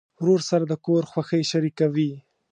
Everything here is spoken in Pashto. ورور سره د کور خوښۍ شریکوي.